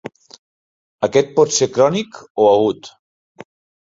Aquest pot ser crònic o agut.